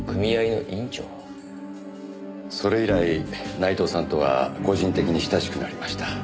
それ以来内藤さんとは個人的に親しくなりました。